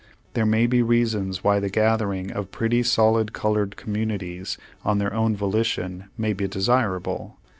There may be reasons why the gathering of pretty solid colored communities, on their own volition, may be desirable.